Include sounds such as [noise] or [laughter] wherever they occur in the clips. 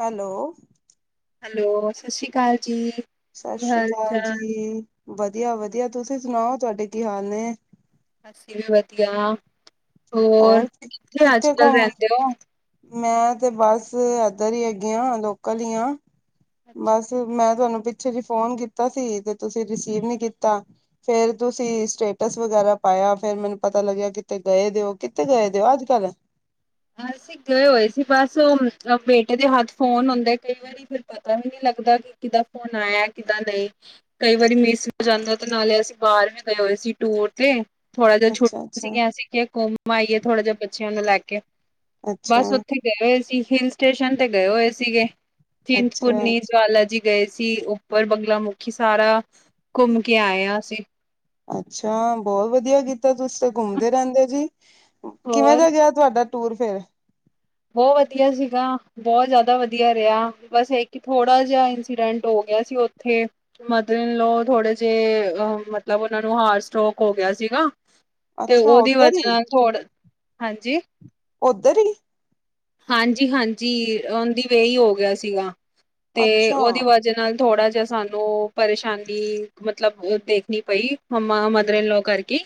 Hello. Hello ਸਸ਼੍ਰੀ ਕਾਲ ਜੀ। ਕੀ ਸਸ਼੍ਰੀ ਹਾਲ ਕਾਲ ਚਾਲ? ਜੀ, ਵਦੀਆ-ਵਦੀਆ ਤੁਸੀਂ ਸੁਨਾਓ ਤੁਆਡੇ ਕੀ ਹਾਲ ਨੇ? ਅਸੀਂ ਵੀ ਵਦੀਆ, ਹੋਰ ਔਰ ਕਿੱਥੇ ਅੱਜ-ਕੱਲ ਰੈਂਦੇ ਓਂ? ਮੈਂ ਤੇ ਬਸ ਏਦਰ ਈ ਹੈਗੀ ਆਂ ਲੋਕਲ ਈ ਆਂ। ਬਸ ਮੈਂ ਤੁਆਨੂੰ ਪਿੱਛੇ ਜੇ ਫੋਨ ਕੀਤਾ ਸੀ ਤੇ ਤੁਸੀਂ ਰਿਸੀਵ ਨੀ ਕੀਤਾ। ਫੇਰ ਤੁਸੀਂ ਸਟੇਟਸ ਵਗੈਰਾ ਪਾਏਆ ਫੇਰ ਮੈਨੂੰ ਪਤਾ ਲੱਗੇਆ ਕਿਤੇ ਗਏ ਦੇ ਓ ਕਿੱਥੇ ਗਏ ਦੇ ਓ ਅੱਜ-ਕੱਲ? ਅਸੀਂ ਗਏ ਹੋਏ ਸੀ ਬਸ ਓ ਬੇਟੇ ਦੇ ਹੱਥ ਫੋਨ ਹੁੰਦੈ ਕਈ ਵਾਰੀ ਓਈ ਫਿਰ ਪਤਾ ਵੀ ਨੀ ਲੱਗਦਾ ਕਿ ਕੀਦਾਂ ਫੋਨ ਆਏਆ ਕੀਦਾਂ ਨਈੰ। ਕਈ ਵਾਰੀ ਮਿਸ ਹੋ ਜਾਂਦਾ ਤੇ ਨਾਲੇ ਅਸੀਂ ਬਾਰ ਵੀ ਗਏ ਹੋਏ ਸੀ ਟੂਰ ਤੇ। ਥੋੜਾ ਜਾ ਛੁੱਟੀਆਂ ਅੱਛਾ-ਅੱਛਾ, ਸੀਗੀਆਂ ਅਸੀ ਕਿਆ ਘੁੰਮ ਆਈਏ ਥੋੜਾ ਜਾ ਬੱਚੇਆਂ ਨੂੰ ਲੈ ਕੇ। ਬਸ ਅੱਛਾ, ਅੱਛਾ, ਉੱਥੇ ਗਏ ਹੋਏ ਸੀ ਹਿਲ ਸਟੇਸ਼ਨ ਤੇ ਗਏ ਹੋਏ ਸੀਗੇ ਅੱਛਾ ਅੱਛਾ ਚਿੰਤਪੁਰਨੀ, ਜਵਾਲਾ ਜੀ। ਗਏ ਸੀ ਉੱਪਰ ਬੰਗਲਾ ਮੁੁਖੀ ਸਾਰਾ ਘੁੰਮ ਕੇ ਆਏਆਂ ਅਸੀਂ। ਅੱਛਾ ਬੋਹ ਵਦੀਆ ਕੀਤਾ ਤੁਸੀ ਤੇ ਘੁੰਮਦੇ ਰੈੰਦੇ ਜੀ ਕਿਵੇਂ ਹੋਰ ਦਾ ਗਿਆ ਤੁਆਡਾ ਟੂਰ ਫੇਰ? ਬੋਹ ਵਦੀਆ ਸੀਗਾ। ਬੋਹ ਜ਼ਾਅਦਾ ਵਦੀਆ ਰਿਆ ਬਸ ਏ ਕੀ ਥੋੜਾ ਜਾ ਇੰਸੀਡੈਂਟ ਹੋ ਗਿਆ ਸੀ ਓਥੇ। ਮਦਰ ਇਨ ਲੋ ਥੋੜੇ ਜੇ ਅ ਮਤਲਬ ਓਨਾਂ ਨੂੰ ਹਾਰ ਸਟ੍ਰੋਕ ਹੋ ਗਿਆ ਸੀਗਾ। ਤੇ ਅੱਛਾ, ਓਦੀ ਵਜਾ ਨਾ ਥੋੜ, ਹਾਂਜੀ ਓਦਰ ਈ? ਹਾਂਜੀ-ਹਾਂਜੀ ਓਨ ਦੀ ਵੇ ਈ ਹੋ ਗਿਆ ਸੀਗਾ। ਤੇ ਅੱਛਾ ਓਦੀ ਵਜਾ ਨਾਲ ਥੋੜਾ ਜਾ ਸਾਨੂੰ ਨੂੰ ਪਰੇਸ਼ਾਨੀ ਮਤਲਬ ਦੇਖਨੀ ਪਈ ਮੰਮਾ ਮਦਰ ਇਨ ਲੋਅ ਕਰਕੇ ਈ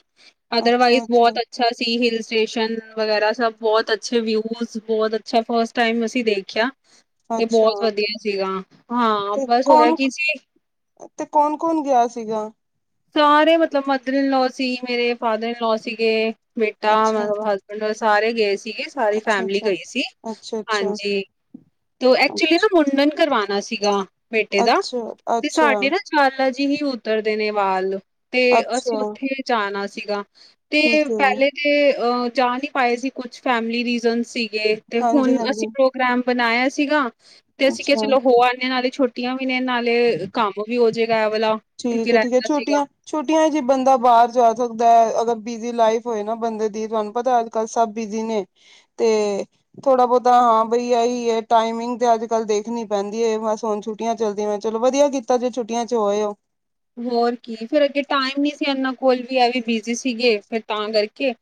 ਅਦਰਵਾਈਜ਼ ਬੋਤ ਅੱਛਾ ਸੀ ਹਿਲ ਸਟੇਸ਼ਨ ਵਗੈਰਾ ਸਬ ਬੋਤ ਅੱਛੇ ਵਿਊਜ਼ ਬੋਤ ਅੱਛਾ ਫਸਟ ਟਾਈਮ ਅਸੀਂ ਦੇਖਿਆ। ਤੇ ਅੱਛਾ ਬੋਤ ਵਦੀਆ ਸੀਗਾ ਹਾਂ ਤੇ ਬਸ ਹੋਏਆ ਕੌਣ ਕੀ ਸੀ ਤੇ ਕੌਨ-ਕੌਨ ਗਿਆ ਸੀਗਾ? ਸਾਰੇ ਮਤਲਬ ਮਦਰ ਇਨ ਲੋਅ ਸੀ, ਮੇਰੇ ਫਾਦਰ ਇਨ ਲੋਅ ਸੀਗੇ। ਬੇਟਾ ਅੱਛਾ ਮਤਲਬ ਹਸ ਮਤਲਬ ਸਾਰੇ ਗਏ ਸੀਗੇ। ਸਾਰੀ ਅੱਛਾ ਫੈਮਿਲੀ ਅੱਛਾ ਗਈ ਸੀ। ਅੱਛਾ ਅੱਛਾ ਹਾਂਜੀ। ਤੇ ਐਕਚੁਲੀ ਨਾ ਮੁੰਡਨ ਕਰਵਾਣਾ ਸੀਗਾ, ਬੇਟੇ ਦਾ ਅੱਛਾ ਤੇ ਅੱਛਾ ਸਾਡੇ ਨਾ ਚਾਲਾ ਜੀ ਵੀ ਉਤਰਦੇ ਨੇ ਵਾਲ ਤੇ ਅਸੀਂ ਅੱਛਾ ਉੱਥੇ ਜਾਣਾ ਸੀਗਾ ਤੇ ਠੀਕ ਹੈ ਪਹਿਲੇ ਤੇ ਆ ਜਾ ਨੀ ਪਾਏ ਸੀ। ਕੁਛ ਫੈਮਿਲੀ ਰੀਜ਼ਨ ਸੀ। ਤੇ-ਤੇ ਹਾਂਜੀ ਹੁਣ, ਅਸੀਂ ਹਾਂਜੀ ਪ੍ਰੋਗਰਾਮ ਬਣਾਇਆ ਸੀਗਾ ਤੇ ਅਸੀਂ ਕਿਹਾ ਅੱਛਾ ਚਲੋ ਹੋ ਆਨੇ। ਹਲੇ ਛੋਟ ਛੂਟੀਆਂ ਵੀ ਨੇ, ਨਾਲੇ ਕੰਮ ਵੀ ਹੋਜੇਗਾ ਐਹ ਵਾਲਾ। ਕਿਉਂਕਿ ਠੀਕ ਏ, ਠੀਕ ਏ। ਰਹਿੰਦਾ ਸੀਗਾ। ਛੋਟੀਆਂ ਛੁੱਟੀਆਂ 'ਚ ਈ ਬੰਦਾ ਬਾਹਰ ਜਾ ਸਕਦਾ ਐ। ਅਗਰ ਬਿਜ਼ੀ ਲਾਈਫ ਹੋਏ ਨਾ ਬੰਦੇ ਦੀ, ਤੁਹਾਨੂੰ ਪਤਾ ਅੱ ਅੱਜ-ਕੱਲ੍ਹ ਸਭ ਬਿਜ਼ੀ ਨੇ ਤੇ ਥੋੜ੍ਹਾ ਬਹੁਤਾ ਹਾਂ ਬਈ ਇਹੀ ਐ। ਟਾਈਮਿੰਗ ਤੇ ਅੱਜ-ਕੱਲ ਦੇਖਣੀ ਪੈਂਦੀ ਏ। ਬਸ ਹੁਣ ਛੁ ਛੁੱਟੀਆਂ ਚਲਦੀਆਂ। ਚਲੋ ਵਧੀਆ ਕੀਤਾ ਜੇ, ਛੁੱਟੀਆਂ 'ਚ ਹੋ ਆਏ ਓ। ਹੋਰ ਕੀ, ਫੇਰ ਅੱਗੇ ਟਾਈਮ ਨੀ ਸੀ ਇਹਨਾਂ ਕੋਲ ਵੀ। ਇਹ ਵੀ ਬਿਜ਼ੀ ਸੀਗੇ। ਫਿਰ ਤਾਂ ਕਰਕੇ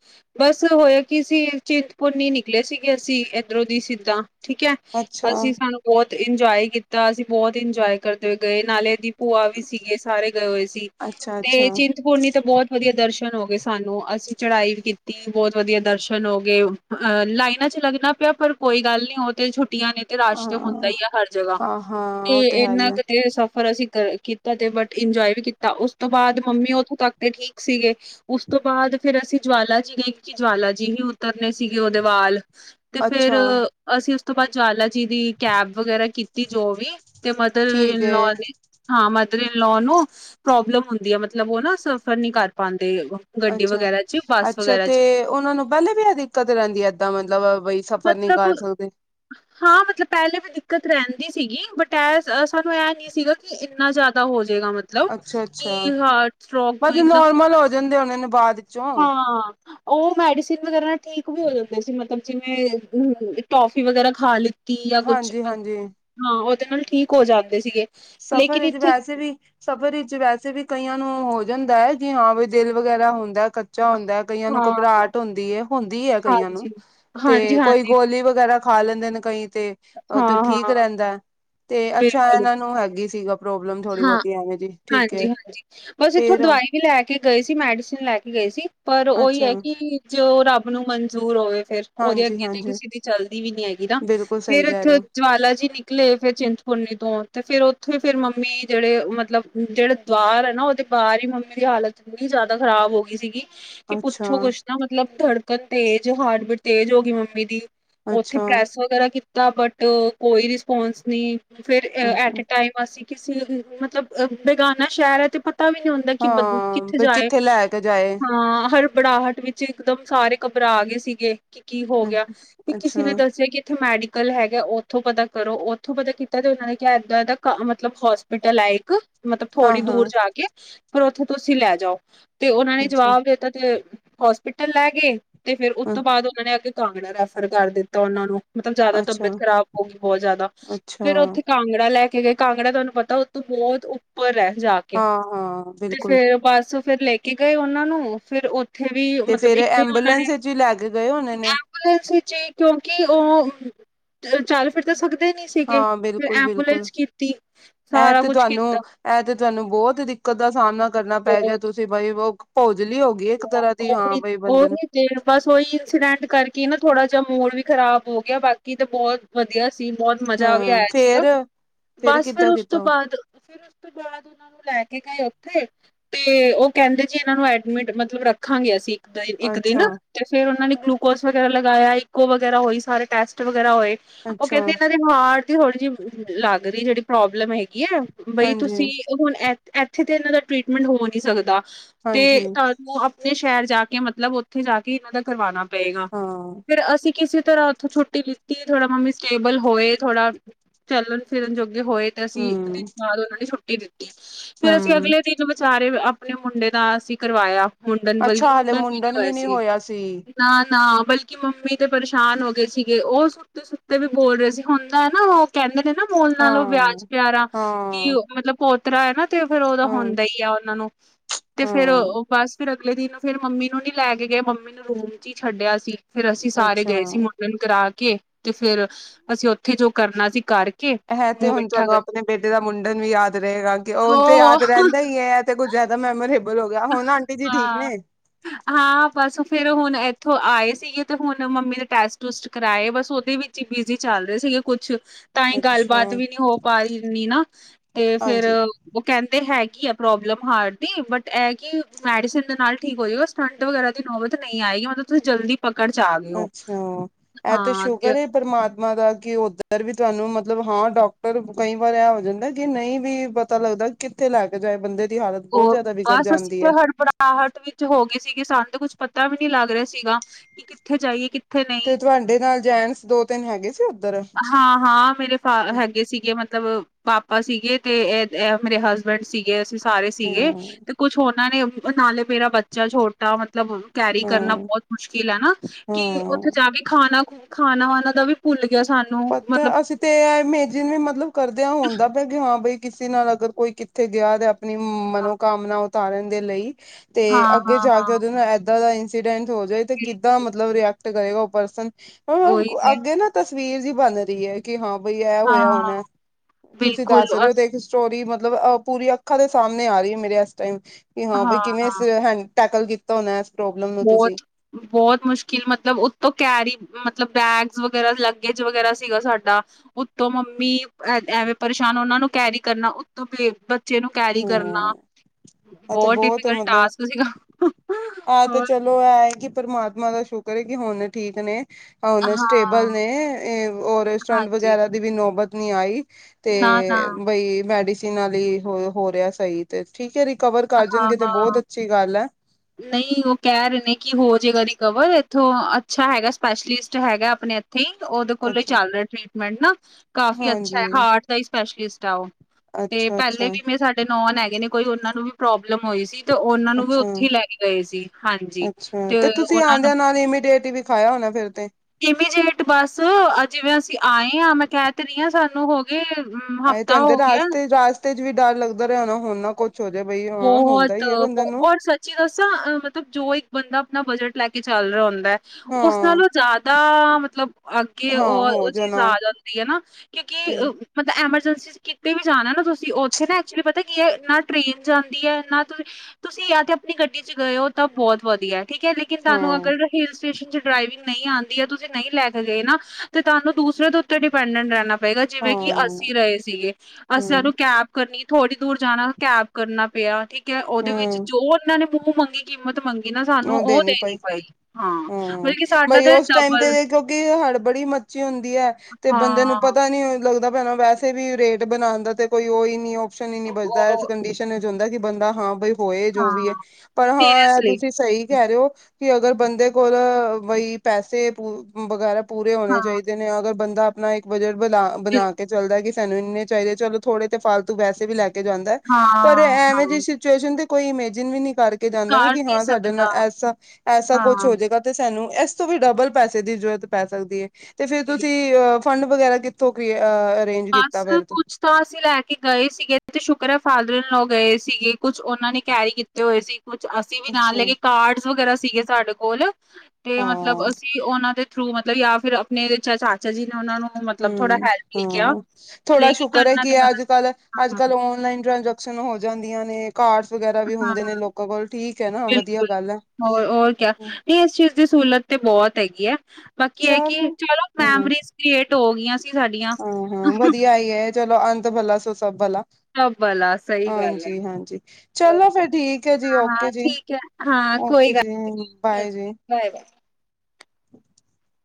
ਬਸ ਹੋਇਆ ਕੀ ਸੀ, ਚਿੰਤਪੁਰਨੀ ਨਿਕਲੇ ਸੀਗੇ ਅਸੀਂ। ਇ ਧਰੋਂ ਦੀ ਸਿੱਧਾ, ਠੀਕ ਐ। ਅੱਛਾ ਅਸੀਂ ਸਾਨੂੰ ਬਹੁਤ ਇੰਜੋਏ ਕੀਤਾ। ਅਸੀਂ ਬਹੁਤ ਇੰਜੋਏ ਕਰਦੇ ਹੋਏ ਗਏ। ਨਾਲੇ ਇਹਦੀ ਭੂਆ ਵੀ ਸੀਗੀ ਸਾਰੇ ਗਏ ਹੋਏ ਸੀ। ਅੱਛਾ ਅੱਛਾ ਤੇ ਚਿੰਤਪੂਰਨੀ ਤੇ ਬਹੁਤ ਵਧੀਆ ਦਰਸ਼ਨ ਹੋਗੇ ਸਾਨੂੰ। ਅਸੀਂ ਚੜ੍ਹਾਈ ਵੀ ਕੀਤੀ, ਬਹੁਤ ਵਧੀਆ ਦਰਸ਼ਨ ਹੋਗੇ ਅਹ ਲਾਈਨਾਂ 'ਚ ਲੱਗਣਾ ਪਿਆ। ਪਰ ਕੋਈ ਗੱਲ ਨੀ ਉਹ ਤੇ ਛੁੱਟੀਆਂ ਨੇ ਰਸ਼ ਤੇ ਹੁੰਦਾ ਹਾਂ ਈ ਆ ਹਰ ਜਗ੍ਹਾ ਹਾਂ ਹਾਂ ਤੇ ਉਹ ਹੈ ਹੀ ਇਨਾ ਆ ਸਫ਼ਰ ਅਸੀਂ ਕਰ ਕੀਤਾ ਤੇ ਬਟ ਇੰਜੋਏ ਵੀ ਕੀਤਾ। ਉਸ ਤੋਂ ਬਾਅਦ ਮੰਮੀ ਉਥੋਂ ਤੱਕ ਤੇ ਠੀਕ ਸੀਗੇ। ਉਸ ਤੋਂ ਬਾਅਦ ਫਿਰ ਅਸੀਂ ਜਵਾਲਾ ਜੀ ਗ‌ਏ, ਕਿ ਜਵਾਲਾ ਜੀ ਹੀ ਉਤਰਨੇ ਸੀਗੇ ਉਹਦੇ ਵਾਲ। ਤੇ ਫੇਰ ਅੱਛਾ ਅਸੀਂ ਉਹ ਤੋਂ ਬਾਅਦ ਜਵਾਲਾ ਜੀ ਦੀ, ਕੈਬ ਵਗੈਰਾ ਕੀਤੀ ਜੋ ਵੀ। ਤੇ ਮਦਰ ਠੀਕ ਇਨ ਹੈ ਲੋਅ ਨੇ ਹਾਂ, ਮਦਰ ਇਨ ਲੋਅ ਨੂੰ ਪ੍ਰੌਬਲਮ ਹੁੰਦੀ ਆ। ਮਤਲਬ ਉਹ ਨਾ ਸਫ਼ਰ ਨੀਂ ਕਰ ਪਾਂਦੇ। ਉ ਗੱਡੀ ਅੱਛਾ ਵਗੈਰਾ 'ਚ। ਅੱਛਾ ਤੇ ਉਹਨਾਂ ਨੂੰ ਪਹਿਲੇ ਵੀ ਐਹ ਦਿੱਕਤ ਰਹਿੰਦੀ ਐ। ਏਦਾਂ ਮਤਲਬ, ਬਈ ਸਫ਼ਰ ਨ੍ਹੀਂ ਕਰ ਮਤਲਬ ਸਕਦੇ। ਹਾਂ, ਮਤਲਬ ਪਹਿਲੇ ਵੀ ਦਿੱਕਤ ਰਹਿੰਦੀ ਸੀਗੀ। ਬਟ ਐਹ, ਸਾਨੂੰ ਐਹ ਨ੍ਹੀਂ ਸੀਗਾ ਕਿ ਇੰਨਾ ਜ਼ਿ ਦਾ ਹੋਜੇਗਾ ਮਤਲਬ, ਅੱਛਾ ਅੱਛਾ ਕਿ ਹਾਟ-ਸਟ੍ਰੋਕ ਬਸ ਨੂੰ ਇੱਕਦਮ ਨੋਰਮਲ ਹੋ ਜਾਂਦੇ ਹੁਨੇ ਨੇ ਬਾਅਦ ਚੋਂ ਹਾਂ। ਉਹ ਮੈਡੀਸਿਨ ਵਗੈਰਾ ਨਾ ਠੀਕ ਹੋ ਜਾਂਦੇ ਸੀ। ਮਤਲਬ ਜਿਵੇਂ, ਟੋਫੀ ਵਗੈਰਾ ਖਾਂਲੀ ਟੀ ਜਾਂ ਕੁਛ। ਹਾਂਜੀ ਹਾਂਜੀ ਹਾਂ, ਉਹਦੇ ਨਾਲ ਠੀਕ ਹੋ ਜਾਂਦੇ ਸੀਗੇ। ਸਫ਼ਰ ਲੇਕਿਨ ਵਿੱਚ ਇੱਥੇ ਵੈਸੇ ਵੀ ਸਫ਼ਰ ਵਿੱਚ ਵੈਸੇ ਵੀ ਕਈਆਂ ਨੂੰ ਹੋ ਜਾਂਦਾ। ਜੀ ਹਾਂ ਵੀ ਦਿਲ ਵਗੈਰਾ ਹੁੰਦਾ ਕੱ ਚਾ ਹੁੰਦਾ। ਕਈਆਂ ਨੂੰ ਹਾਂ ਘਬਰਾਹਟ ਹੁੰਦੀ ਏ। ਹੁੰਦੀ ਏ ਕਈਆਂ ਨੂੰ ਹਾਂਜੀ ਤੇ ਹਾਂਜੀ ਕੋਈ ਹਾਂਜੀ ਗੋਲੀ ਵਗੈਰਾ ਖਾ ਲੈਂਦੇ ਨੇ ਕਈ 'ਤੇ। ਉਹ ਤੇ ਹਾਂ ਠੀਕ ਹਾਂ ਰਹਿੰਦਾ ਤੇ ਅੱਛਾ ਬਿਲਕੁਲ ਏਨਾਂ ਨੂੰ ਹੈਗੀ ਸੀਗਾ ਪ੍ਰੋਬਲਮ ਥੋੜ੍ਹੀ ਹਾਂ, ਬਹੁਤੀ ਐਵੇਂ ਦੀ ਠੀਕ ਹੈ ਹਾਂਜੀ-ਹਾਂਜੀ। ਬਸ ਇੱਥੋਂ ਫੇਰ ਦਵਾਈ ਵੀ ਲੈ ਕੇ ਗਏ ਸੀ। ਮੈਡੀਸਿਨ ਲੈ ਕੇ ਗਏ ਸੀ। ਪਰ ਓਈ ਅੱਛਾ ਐ ਕਿ ਜੋ ਰੱਬ ਨੂੰ ਮਨਜ਼ੂਰ ਹੋਵੇ। ਫ਼ੇਰ ਓਦੇ ਹਾਂਜੀ ਅੱਗੇ ਤੇ ਹਾਂਜੀ ਕਿਸੀ ਦੀ ਚੱਲਦੀ ਵੀ ਨੀ ਹੈਗੀ ਨਾ। ਬਿਲਕੁਲ ਸਹੀ ਫ਼ੇਰ ਕਹਿ ਰਹੇ ਇੱਥੋ ਹੋ ਜਵਾਲਾ ਜੀ ਨਿ ਕਲੇ ਫੇਰ ਚਿੰਤਪੁਰਨੀ 'ਤੋਂ। ਤੇ ਫੇਰ ਉੱਥੋ ਈ ਫੇਰ ਮੰ ਮੰਮੀ ਜੇੜ੍ਹੇ ਮਤਲਬ ਜੇੜੇ ਦੁਵਾਰ ਐ ਨਾ। ਉਦੇ ਬਾਰ ਈ ਮੰਮੀ ਦੀ ਹਾਲਤ ਇੰਨੀ ਜ਼ਿਆਦਾ ਖ਼ਰਾਬ ਹੋਗੀ ਸੀਗੀ। ਕਿ ਅੱਛਾ ਪੁੱਛੋ ਕੁੱਛ ਨਾ, ਮਤਲਬ ਧੜਕਣ ਤੇਜ਼। ਹਾਟ-ਬੀਟ ਤੇਜ਼ ਹੋਗੀ ਮੰਮੀ ਦੀ। ਓਥੇ ਅੱਛਾ ਪ੍ਰੈਸ ਵਗੈਰਾ ਕੀਤਾ। ਬਟ, ਕੋਈ ਰਿਸਪੋਂਸ ਨੀ ਫੇਰ ਅੱਛਾ ਐਟੇ ਟਾਈਮ ਅਸੀਂ ਕਿਸੇ, ਮਤਲਬ ਬੇਗਾਨਾ ਸ਼ਹਿਰ ਐ ਤੇ ਪਤਾ ਵੀ ਨਹੀ ਹੁੰ ਦਾ ਕਿ ਹਾਂ ਬਂਦ ਕਿੱਥੇ ਬਈ ਜਾਏ, ਲੈ ਕੇ ਜਾਏ ਹਾਂ ਹਰ ਬੜਾਹਟ ਵਿੱਚ ਇਕਦਮ ਸਾਰੇ ਘਬਰਾ ਗਏ ਸੀਗੇ। ਕਿ ਕੀ ਹੋ ਗਿਆ, ਹਾਂਜੀ ਤੇ ਕਿਸੇ ਅੱਛਾ ਨੇ ਦੱਸਿਆ, ਕਿ ਇੱਥੇ ਮੈਡੀ ਅਂਕਲ ਹੈਗੇ, ਉੱਥੋਂ ਪਤਾ ਕਰੋ। ਉੱਥੋਂ ਪਤਾ ਕੀਤਾ ਤੇ ਉਨਾਂ ਨੇ ਕੇਆ ਏਦਾਂ ਘਾ ਮਤਲਬ ਹੋਸਪੀਟਲ ਹੈ ਇਕ। ਮਤਲਬ ਹਾਂ ਥੋੜ੍ਹੀ ਹਾਂ ਦੂਰ ਜਾ ਕੇ ਫੇਰ, ਉੱਥੇ ਤੁਸੀਂ ਲੈ ਜਾਓ, ਤੇ ਉਨਾਂ ਨੇ ਅੱਛਾ ਜਵਾਬ ਦੇਤਾ ਤੇ ਹੋਸਪਿਟਲ ਲੈਗੇ, ਤੇ ਫੇਰ ਉਸ ਹਾਂ ਤੋਂ ਬਾਅਦ ਉਨਾਂ ਨੇ ਅਗੇ ਕਾਂਗੜਾ ਰੈਫਰ ਕਰ ਦਿੱਤਾ। ਉਨਾਂ ਨੂੰ। ਮਤਲਬ ਜ਼ਿਆਦਾ ਤਬੀਅਤ ਅੱਛਾ ਖ਼ਰਾਬ ਹੋ ਗੀ, ਬੋਹਤ ਜ਼ਿਆਦਾ, ਅੱਛਾ ਫੇਰ ਉੱਥੇ ਕਾਂਗੜਾ ਲੈ ਕੇ ਗਏ ਕਾਂਗੜਾ ਤੁਹਾਨੂੰ ਪਤਾ, ਉਤੋਂ ਬਹੁਤ ਉੱਪਰ ਏ ਜਾ ਕੇ ਹਾਂ ਹਾਂ ਤੇ ਬਿਲਕੁਲ ਫੇਰ ਬੱਸ। ਫੇਰ ਲੈ ਕੇ ਗਏ ਉਨਾਂ ਨੂੰ, ਫੇਰ ਉੱਥੇ ਵੀ ਤੇ ਮਤਲਬ ਫੇਰ ਇਕ ਦਿਨ ਉਨਾਂ ਐਬੂਲੈਂਸ ਨੇ ਵਿੱਚ ਹੀ ਲੈ ਕੇ ਗਏ ਹੋਣੇ ਨੇ [unintelligible] ਐਭੂਂਲੈਂਸ ਵਿਚ ਕਿਉਂਕਿ ਉ। [unintelligible] ਚਾਲ ਫਿਰ ਤੇ ਸਕਦੇ ਨੀ ਸੀਗੇ। ਫੇਰ ਐਂਬੂਲੈਂਸ ਕੀ ਏ ਤੇ ਤੁਆਨੂੰ, ਏਹ ਤੇ ਤੁਆਨੂੰ, ਬੋਤ ਦਿੱਕਤ ਦਾ ਸਾਮਣਾ ਕਰਨਾ ਪੈ ਗਿਆ ਤੁਸੀਂ ਬਾਈ ਉ ਭੋਜਲੀ ਹੋਗੀ ਏ, ਇਕ ਤਰ੍ਹਾਂ ਦੀ ਹਾਂ ਬਈ ਬੰਦੇ ਨੂੰ। ਤੇ ਬੱਸ ਉਈ ਇੰਸੀਡੈਂਟ ਕਰਕੇ ਨਾ, ਥੋੜਾ ਜੇਆ ਮੂਡ ਵੀ ਖ਼ਰਾਬ ਹੋ ਗਿਆ, ਬਾਕੀ ਤਾਂ ਬੋਤ ਵਧੀਆ ਸੀ ਬੋਤ ਮਜ਼ਾ ਵੀ ਹਾਂ ਆਇਆ ਸੀਗਾ, ਫੇਰ ਫੇਰ ਬੱਸ ਫਿਰ ਕਿੱਦਾਂ ਉਸ ਤੋਂ ਕੀਤਾ ਬਾਅਦ ਫੇਰ ਉਸ ਤੋਂ ਬਾਅਦ, ਉਨਾ ਨੂੰ ਲੈ ਕੇ ਗਏ, ਉੱਥੇ ਤੇ ਉਹ ਕੇਂਦੇ ਜੇ ਏਨਾਂ ਨੂੰ ਐਡਮਿਟ ਮਤ ਲਬ ਰੱਖਾਂਗੇ, ਅਸੀਂ ਇਕ ਦਿਨ। ਅੱਛਾ ਤੇ ਫੇਰ ਉਨਾਂ ਨੇ ਗੁਲੂਕੋਸ ਵਗ਼ੈਰਾ ਲਗਾਇਆ, ਈਕੋ ਵਗੈਰਾ ਹੋਈ, ਸਾਰੇ ਟੈਸਟ ਵਗੈਰਾ ਹੋਏ, ਉ ਅੱਛਾ ਕੇਂਦੇ ਏਨਾਂ ਦੇ ਹਾਰਟ ਦੀ ਥੋੜੀ ਜੀ ਲੱਗ ਰੀ, ਜੇੜੀ ਪ੍ਰੋਬਲਮ ਹੈਗੀ ਏ ਬਈ ਹਾਂਜੀ ਤੁਸੀਂ ਹੁਣ, ਏਥੇ ਤੇ ਏਨਾਂ ਦਾ ਟ੍ਰੀਟਮੈਂਟ ਹੋ ਨਹੀਂ ਸਕਦਾ ਤੇ ਹਾਂਜੀ ਉਹ ਆਪਣੇ ਸੈ਼ਰ ਜਾ ਕੇ, ਮਤਲਬ ਉੱਥੇ ਜਾ ਕੇ ਏਨਾਂ ਦਾ ਕਰਵਾਣਾ। ਪਏਗਾ, ਹਾਂ ਫੇਰ ਅਸੀਂ ਕਿਸੇ ਤਰ੍ਹਾਂ ਉੱਥੋਂ ਛੁੱ ਟੀ ਲਿੱਤੀ, ਥੋੜਾ ਮੰਮੀ ਸਟੇਬਲ ਹੋਏ, ਥੋੜਾ ਚੱਲਣ ਫਿਰਨ ਜੋਗੇ ਹੋਏ। ਅਸੀਂ ਇੱਕ ਦਿਨ ਹਮ ਬਾਅਦ ਉਹਨਾਂ ਨੇ ਛੁੱਟੀ ਦਿੱਤੀ, ਫੇਰ ਅਸੀਂ ਹਮ ਅਗਲੇ ਦਿਨ ਵਿਚਾਰੇ, ਆਪਣੇ ਮੁੰਡੇ ਦਾ ਅਸੀਂ ਕਰਵਾਇਆ ਮੁੰਡਨ, ਵਲਕੀ ਮੁੰਡਨ ਵੀ ਨੀ ਹੋਇਆ ਸੀ। ਨਾ-ਨਾ ਬਲਕਿ ਮੰਮੀ ਤੇ ਪਰੇਸ਼ਾਨ ਹੋਗੇ ਸੀਗੇ। ਉਹ ਸੁੱਤੇ ਵੀ ਬੋਲ ਰੇ ਸੀ, ਹੁੰਦਾ ਹੈ ਨਾ ਉ ਕੇਂਦੇ ਨੇ ਨਾ ਮੋਲ ਨਾਲੋਂ ਹਾਂ ਵਿਆਜ ਪਿਆਰਾ, ਕਿ ਹਾਂ ਮਤਲਬ ਪੋਤਰਾ ਹੈ ਨਾ, ਤੇ ਫੇਰ ਉਦਾ ਹਾਂ ਹੋਦਾ ਈ ਏ ਉਨਾਂ ਨੂੰ, ਤੇ ਫੇਰ ਹਾਂ ਬੱਸ ਫੇਰ ਅਗਲੇ ਦਿਨ, ਫੇਰ ਮੰਮੀ ਨੂੰ ਨਹੀ ਲੈ ਕੇ ਗਏ, ਮੰਮੀ ਨੂੰ ਰੂਮ ਚ ਈ ਛੱਡਿਆ ਸੀ, ਫੇਰ ਅਸੀਂ ਸਾਰੇ ਅੱਛਾ ਗਏ ਸੀ। ਮੁੰਡਨ ਕਰਾ ਕੇ, ਤੇ ਫੇਰ ਅਸੀਂ ਉੱਥੇ ਜੋ ਕਰਨਾ ਸੀ ਕਰ ਹੈ ਤੇ ਮੂੰਹ ਹੁਣ ਮਿੱਠਾ ਤੁਆਨੂੰ, ਆਪਣੇ ਬੇਟੇ ਦਾ ਮੁੰਡਨ ਵੀ ਯਾਦ ਰਏਗਾ, ਕਿ ਉਂਜ ਤੇ ਉਹ ਯਾਦ ਰੇਂਦਾ ਈ ਏ। ਤੇ ਕੁੱਝ ਜ਼ਿਆਦਾ ਮੈਮੋਰੇਬਲ ਹੋ ਗਿਆ, ਹੁਣ ਆਂਟੀ ਜੀ ਠੀਕ ਹਾਂ ਨੇ? ਹਾਂ ਬੱਸ ਫੇਰ ਹੁਣ ਇੱਥੋਂ ਆਏ ਸੀਗੇ। ਤੇ ਹੁਣ ਮੰਮੀ ਦੇ ਟੈਸਟ ਟੂਸਟ ਕਰਵਾਏ ਬੱਸ ਉਦੇ ਵੀ ਚ ਬਿਜੀ ਚਲ ਰੇ ਸੀਗੇ ਕੁੱਛ। ਤਾਂ ਈ ਅੱਛਾ ਗੱਲਬਾਤ ਵੀ ਨੀ ਹੋ ਪਾ ਰੀ ਨੀ ਨਾ, ਤੇ ਫੇਰ। ਹਾਂਜੀ ਉ ਕੇਂਦੇ ਹੈਗੀ ਏ, ਪ੍ਰੋਬਲਮ ਹਾਰਟ ਦੀ ਬਟ ਏ ਕਿ ਮੈਡੀਸਨ ਦੇ ਨਾਲ ਠੀਕ ਹੋ ਜੇਗਾ, ਸਟੰਟ ਵਗੈਰਾ ਦੀ ਨੌਬਤ ਨਈ ਆਏਗੀ, ਮਤਲਬ ਤੁਸੀਂ ਜਲਦੀ ਪਕੜ ਚ ਆ ਗਏ ਉ, ਅੱਛਾ ਇਹ ਤੇ ਹਾਂ। ਸ਼ੁਕਰ ਏ ਪਰਮਾਤਮਾ ਦਾ ਕਿ ਉੱਧਰ ਵੀ ਤੁਹਾਨੂੰ ਮਤਲਬ, ਹਾਂ ਡਾਕਟਰ ਕਈ ਵਾਰ ਇਹ ਹੋ ਜਾਂਦਾ। ਕਿ ਨਹੀਂ ਵੀ ਪਤਾ ਲੱਗਦਾ, ਕਿੱਥੇ ਲੈ ਕੇ ਜਾਏ ਬੰਦੇ ਦੀ ਹਾਲਤ ਬਹੁਤ ਜ਼ਿਆਦਾ ਵਿਗੜ ਜਾਂਦੀ ਹੈ। ਆਹਟ ਵਿੱਚ ਹੋ ਗਏ ਸੀਗੇ, ਸਾਨੂੰ ਕੁੱਛ ਪਤਾ ਵੀ ਨੀ ਲੱਗ ਰਿਹਾ ਸੀਗਾ। ਕਿ ਕਿੱਥੇ ਜਾਈਏ ਕਿ ਤੇ ਤੁਹਾਡੇ ਨਾਲ ਜੈਨਟਸ ਦੋ ਤਿੰਨ ਹੈਗੇ ਸੀ, ਉੱਧਰ? ਹਾਂ, ਹਾਂ ਮੇਰੇ ਫਾ ਹਾਂ ਹੈਗੇ ਸੀਗੇ। ਮਤਲਬ ਪਾਪਾ ਸੀਗੇ, ਤੇ ਇਹ ਇਹ ਮੇਰੇ ਹਸਬੈਂਡ ਸੀਗੇ। ਅਸੀਂ ਸਾਰੇ ਸੀਗੇ ਤੇ ਕੁਛ ਉਨਾਂ ਨੇ ਨਾਲੇ ਮੇਰਾ ਬੱਚਾ ਛੋਟਾ ਮਤਲਬ ਕੈਰੀ ਕਰਨਾ ਹਾਂ ਬੋਤ ਮੁਸ਼ਕਿਲ ਹੈ ਨਾ ਕਿ ਉੱਥੇ ਹਾਂ ਜਾ ਕੇ ਖਾਣਾ ਖ ਖਾਣਾ ਵਾਣਾ ਦਾ ਵੀ ਭੁੱਲ ਕਿ ਸਾਨ ਪਤਾ ਅਸੀ ਤੇ ਇਮੇਜਿਨ ਵੀ ਮਤਲਬ ਕਰਦਿਆਂ ਹੁੰਦਾ ਪਿਆ ਕਿ ਹਾਂ ਬਈ ਕਿਸੇ ਨਾਲ ਅਗਰ ਕੋਈ ਕਿੱਥੇ ਗਿਆ ਦਾ। ਆਪਣੀ ਮਨੋਕਾਮਨਾ ਉਤਾਰਨ ਦੇ ਲਈ ਤੇ ਅੱਗੇ ਜਾ ਹਾਂ-ਹਾਂ-ਹਾਂ ਕੇ ਉਦੇ ਨਾ ਏ ਏਦਾਂ ਦਾ ਇੰਸੀਡੈਂਟ ਹੋ ਜਾਏ ਤੇ ਕਿੱਦਾਂ ਮਤਲਬ ਰਿਐਕਟ ਕਰੇਗਾ ਓ ਪਰਸਨ ਉਹੀ [unintelligible] ਤੇ ਅੱਗੇ ਨਾ ਤਸਵੀਰ ਜਈ ਬਣ ਰਈ ਐ ਕਿ ਹਾਂ ਬਈ ਐ ਹੋਇਆ ਹਾਂ ਹੋਣਾ ਤੁਸੀਂ ਬਿਲਕੁਲ ਦੱਸ ਰਏ ਹੋ ਤੇ ਅਸ ਇੱਕ ਸਟੋਰੀ ਮਤਲਬ ਪੂਰੀ ਅੱਖਾਂ ਦੇ ਸਾਹਮਣੇ ਆ ਰਈ ਮੇਰੇ ਇਸ ਟਾਈਮ ਵੀ ਹਾਂ ਬਈ ਕਿਵੇਂ ਹਾਂ-ਹਾਂ ਇਸ ਹੈਂ ਟੈਕਲ ਕੀਤਾ ਹੋਨਾ ਇਸ ਪ੍ਰੋਬਲਮ ਨੂੰ ਤੁਸੀ ਬੋਤ ਮੁਸ਼ਕਿਲ ਮਤਲਬ ਉਤੋਂ ਕੈਰੀ ਮਤਲਬ ਬੈਗ ਵਗੈਰਾ ਲੱਗੇਜ ਵਗੈਰਾ ਸੀਗਾ ਸਾਡਾ ਉੱਤੋਂ ਮੰਮੀ ਐਵੇਂ ਪਰੇਸ਼ਾਨ ਉਨਾਂ ਨੂੰ ਕੈਰੀ ਕਰਨਾ ਉਤੋਂ [unintelligible] ਬੱਚੇ ਨੂੰ ਕੈਰੀ ਕਰਨਾ ਹਮ ਅਤੇ ਬੋ ਬਹੁਤ ਡਿਫੀਕਲਟ ਮਤਲਬ ਟਾਸਕ ਸੀਗਾ। ਇਹ ਤੇ ਹੋਰ ਚਲੋ ਐ ਕਿ ਪਰਮਾਤਮਾ ਦਾ ਸ਼ੁਕਰ ਐ ਕਿ ਹੁਣ ਠੀਕ ਨੇ। ਹੁਨ ਹਾਂ ਸਟੇਬਲ ਨੇ ਔਰ ਸਟੰਟ ਹਾਂਜੀ ਵਗੈਰਾ ਦੀ ਵੀ ਨੌਬਤ ਨੀ ਆਈ। ਨਾ ਨਾ ਤੇ ਬਈ ਮੈਡੀਸਿਨਾਂ ਲਈ ਹੋ-ਹੋ ਰਿਆ ਸਈ। ਤੇ ਠੀਕ ਐ ਰਿਕਵਰ ਕਰ ਜਾਣਗੇ ਤੇ ਬੋਤ ਅੱਛੀ ਗੱਲ ਐ। ਨਈ ਓ ਕੈ ਰਏ ਨੇ ਕਿ ਹੋ ਜਏਗਾ ਰਿਕਵਰ ਇੱਥੋਂ ਅੱਛਾ ਹੈਗਾ ਸਪੈਸ਼ਲਿਸਟ ਹੈਗਾ ਆਪਣੇ ਇ ਥਿੰਕ ਉਦੇ ਕੋਲ ਹੀ ਅੱਛਾ ਚੱਲ ਰਿਆ ਟ੍ਰਰੀਟਮੈਂਟ ਨਾ ਕਾਫੀ ਅੱਛਾ ਹੈ ਹਾਂਜੀ ਹਾਰਟ ਦਾ ਈ ਸਪੈਸ਼ਲਿਸਟ ਆ ਓ ਤੇ ਅੱਛਾ ਪੈਲੇ ਅੱਛਾ ਵੀ ਸਾਡੇ ਨੌਨ ਹੈਗੇ ਨੇ ਕੋਈ ਉਨਾਂ ਨੂੰ ਵੀ ਪ੍ਰੋਬਲਮ ਹੋਈ ਸੀ ਤੇ ਉਨਾਂ ਨੂੰ ਵੀ ਅੱਛਾ ਉੱਥੇ ਈ ਲੈ ਕੇ ਗਏ ਸੀ ਹਾਂਜੀ ਤੇ ਉਹਨਾਂ ਧਿਆਨ ਦੇ ਨਾਲ ਇਮੀਡੀੇਏਟ ਵੀ ਖਾਇਆ ਹੋਣਾ ਫੇਰ ਤੇ ਇਮੀਜੇਏਟ ਬਸ ਅ ਜਿਵੇਂ ਅਸੀਂ ਆਏ ਆਂ ਮੈਂ ਕੈ ਤੇ ਰਈ ਆਂ ਸਾਨੂੰ ਹੋ ਗੇ ਹਾਏ ਹਫ਼ਤਾ ਤੁਹਾਨੂੰ ਹੋ ਗਿਆ। ਰਾਸਤੇ ਰਾਸਤੇ ਤੇ 'ਚ ਵੀ ਡਰ ਲੱਗਦਾ ਰਿਆ ਨਾ ਹੁਣ ਨਾ ਕੁੱਛ ਹੋ ਜਾ ਬਈ ਹਾਂ ਹੁੰਦਾ ਈ ਏ ਬੰਦੇ ਨੂੰ ਚੀ ਦੱਸਾਂ ਅ ਮਤਲਬ ਜੋ ਇੱਕ ਬੰਦਾ ਆਪਣਾ ਬਜਟ ਲੈ ਕੇ ਚੱਲ ਰਿਆ ਹੁੰਦਾ ਹਾਂ ਉਸ ਨਾਲੋਂ ਜਾ ਦਾ ਮਤਲਬ ਅੱਗੇ ਹਾਂ ਹੋ ਓ-ਓ ਚੀਜ਼ ਜਾਣਾ ਆ ਜਾਂਦੀ ਆ ਨਾ ਕਿਉਂਕਿ ਤੇ ਮਤਲਬ ਐਮਰਜੈਂਸੀ 'ਚ ਕਿਤੇ ਵੀ ਜਾਣਾ ਨਾ ਤੁਸੀਂ ਉੱਥੇ ਨਾ ਐਕਚੁਲੀ ਪਤਾ ਕੀ ਹੈ ਨਾ ਟ੍ਰੇਨ ਜਾਂਦੀ ਐ ਨਾ ਤੁਸੀਂ ਜਾਂ ਤੇ ਆਪਣੀ ਗੱਡੀ 'ਚ ਗਏ ਹੋ ਤਾਂ ਬੋਤ ਵਧੀਆ ਠੀਕ ਐ ਲੇਕਿਨ ਤਾਨੂੰ ਹਾਂ ਅਗਰ ਹਿੱਲ ਸਟੇਸ਼ਨ 'ਚ ਡਰਾਈਵਿੰਗ ਨਈ ਆਂਦੀ ਏ ਤੁਸੀਂ ਨਈ ਲੈ ਕੇ ਗਏ ਨਾ ਤੇ ਤਾਨੂੰ ਦੂਸਰੇ ਦੇ ਉੱਤੇ ਡਿਪੈਂਡੈਂਟ ਰੈਣਾ ਪਏਗਾ ਜਿਵੇਂ ਕਿ ਅਸੀਂ ਹਾਂ ਰਏ ਸੀਗੇ ਅਸੀ ਹਮ ਸਾਨੂੰ ਕੈਬ ਕਰਨੀ ਥੋੜ੍ਹੀ ਦੂਰ ਜਾਣਾ ਕੈਬ ਕਰਨਾ ਪਿਆ ਠੀਕ ਐ ਉਦੇ ਵਿੱਚ ਹਮ ਜੋ ਉਨਾਂ ਨੇ ਮੂੰਹ ਮੰਗੀ ਕੀਮਤ ਮੰਗੀ ਨਾ ਸਾਨੂੰ ਉਹ ਦੇਣੀ ਪਈ ਹਾਂ ਹੂੰ ਮਤਲਬ ਕਿ ਸਾਡਾ ਬਈ ਤੇ ਉਸ ਟਾਈਮ ਡਬਲ ਤੇ ਕਿਉਂਕਿ ਹੜਬੜੀ ਮੱਚੀ ਹੁੰਦੀ ਐ ਤੇ ਬੰਦੇ ਨੂੰ ਹਾਂ ਪਤਾ ਨੀ ਲੱਗਦਾ ਭੈਣਾਂ ਵੈਸ ਵੈਸੇ ਵੀ ਰੇਟ ਬਣਾਣ ਦਾ ਤੇ ਕੋਈ ਓ ਈ ਨੀ ਓਪਸ਼ਨ ਈ ਨੀ ਬਚਦਾ ਇਸ ਉਹ ਕੰਡੀਸ਼ਨ 'ਚ ਹੁੰਦਾ ਕਿ ਬੰਦਾ ਹਾਂ ਬਈ ਹੋਏ ਜੋ ਵੀ ਐ ਹਾਂ ਪਰ ਹਾਂ ਐ ਤੁ ਸੀਰੀਅਸਲੀ ਸਈ ਕੈ ਰਏ ਹੋ ਕਿ ਅਗਰ ਬੰਦੇ ਕੋਲ ਬਈ ਪੈਸੇ ਪੂ ਵਗੈਰਾ ਪੂਰੇ ਹੋਣੇ ਹਾਂ ਚਾਈਦੇ ਨੇ ਅਗਰ ਬੰਦਾ ਆਪਣਾ ਇੱਕ ਬਜਟ ਬਲਾ ਬਿਲ ਬਣਾ ਕੇ ਚੱਲਦਾ ਕਿ ਸਾਨੂੰ ਇੰਨੇ ਚਾਈਦੇ ਚਲੋ ਥੋੜੇ ਤੇ ਫਾਲਤੂ ਵੈਸੇ ਵੀ ਲੈ ਕੇ ਜਾਂਦਾ। ਹਾਂ ਪਰ ਐਵੇਂ ਜੇ ਹਾਂ ਸ ਸਿਚੁਏਸ਼ਨ ਤੇ ਕੋਈ ਇਮੇਜਿਨ ਵੀ ਨ ਕਰਕੇ ਜਾਂਦਾ ਨਾ ਕਰ ਕਿ ਨਹੀਂ ਹਾਂ ਸਾਡੇ ਨਾਲ ਸਕਦਾ ਐਸਾ-ਐਸਾ ਕੁਛ ਹਾਂ ਹੋਜੇ। ਤਾ ਤੇ ਸਾਨੂੰ ਇਸ ਤੋਂ ਵੀ ਡਬਲ ਪੈਸੇ ਦੀ ਜਰੂਰਤ ਪੈ ਸਕਦੀ ਏ ਤੇ ਫਿਰ ਬਿਲ ਤੁਸੀ ਖਾਡ ਵਗੈਰਾ ਕਿੱਥੋਂ ਕੀ ਅ ਬੱਸ ਕੁਛ ਤਾਂ ਅਸੀਂ ਲੈ ਕੇ ਗਏ ਸੀਗੇ, ਤੇ ਸ਼ੁਕਰ ਐ ਫਾਦਰ ਇਣਲੋ ਗਏ ਸੀਗੇ, ਕੁਛ ਓਨਾਂ ਨੇ ਕੈਰੀ ਕੀਤੇ ਹੋਏ ਸੀ। ਕੁਛ ਅਸੀਂ ਵੀ ਨਾਲ ਅੱਛਾ ਲੈਗੇ ਕਾਡਸ ਵਗੈਰਾ ਸੀਗੇ ਸਾਡੇ ਕੋਲ, ਤੇ ਮਤਲਬ ਹਾਂ ਅਸੀਂ ਓਨਾਂ ਦੇ ਥਰੂ ਮਤਲਬ ਜਾਂ ਫਿਰ ਅਪਣੇ ਚ ਚਾਚਾ ਜੀ ਨੇ ਓਨਾਂ ਨੂੰ ਮਤਲਬ ਥੋੜਾ ਹੂੰ ਹੈਲਪ ਲਈ ਕੇਆ ਹਾਂ ਥੋੜਾ ਸ਼ੁਕਰ ੲੈ ਕਿ ਅੱਜ-ਕੱਲ, ਅੱਜ-ਕੱਲ ਔਨਲਾਈਨ ਡਰਜਕਸ਼ਨ ਹੋ ਜਾਂਦੀਆਂ ਨੇ ਕਾਟਸ ਵਗੈਰਾ ਵੀ ਹੁੰਦੇ ਹਾਂ ਨੇ ਲੋਕਾਂ ਕੋਲ, ਠੀਕ ਐ ਨਾ ਵਧੀਆ ਗੱਲ ਐ ਔਰ ਕੇਆ, ਨੀ ਇਸ ਚੀਜ਼ ਦੀ ਸੂਲਤ ਤੇ ਬੋਤ ਹੈਗੀ ਐ, ਬਾਕੀ ਏ ਚਲੋ ਕਿ ਚਲੋ ਮੈਮਰੀਜ਼ ਫੇਟ ਹੋ ਗਿਆ ਸੀ। ਸਾਡੀਆਂ ਆਂ ਹਾਂ, ਵਧੀਆ ਈ ਐ। ਚਲੋ, ਅੰਤ ਭਲਾ ਸੋ ਸਭ ਭਲਾ। ਸਭ ਵਾਲਾ ਸਹੀ ਗੱਲ ਹੈ ਹਾਂਜੀ-ਹਾਂਜੀ, ਚਲੋ ਫੇਰ ਠੀਕ ਐ ਜੀ, ਹਾਂ ਓਕੇ ਹਾਂ ਜੀ। ਠੀਕ ਹੈ ਓਕੇ ਜੀ, ਬਾਏ ਜੀ। ਬਾਏ-ਬਾਏ। [inaudible]